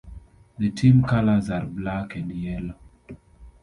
The team colours are black and yellow.